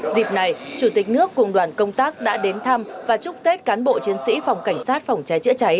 dịp này chủ tịch nước cùng đoàn công tác đã đến thăm và chúc tết cán bộ chiến sĩ phòng cảnh sát phòng cháy chữa cháy